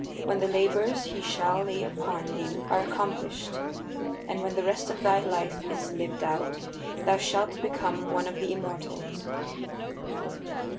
When the labors he shall lay upon thee are accomplished, and when the rest of thy life is lived out, thou shalt become one of the immortals."